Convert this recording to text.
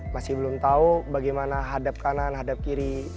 masih belum tahu bagaimana hadap kanan hadap kiri